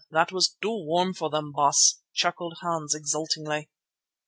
That was too warm for them, Baas," chuckled Hans exultingly.